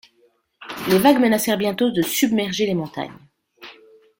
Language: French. Les vagues menacèrent bientôt de submerger les montagnes.